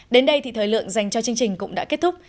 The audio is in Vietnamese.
đến đây thì thời lượng dành cho chương trình cũng đã kết thúc